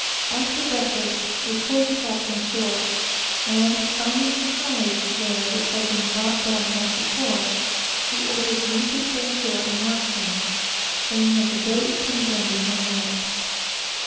After breakfast, we pulled the captain ashore, and finding some hides there which had been brought down the night before, he ordered me to stay ashore and watch them, saying that the boat would come again before night.